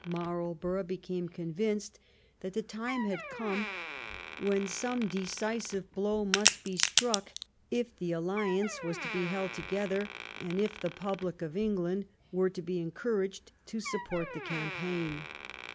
Marlborough became convinced that the time had come when some decisive blow must be struck if the alliance was to be held together and if the pub lic of England were to be encouraged to support the campaign.